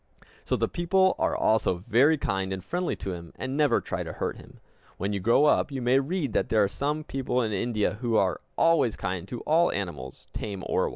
So the people are also very kind and friendly to him, and never try to hurt him. When you grow up you may read that there are some people in India who are always kind to all animals, tame or wild.